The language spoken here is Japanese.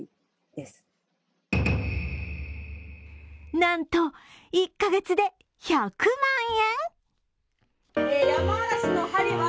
なんと、１カ月で１００万円！？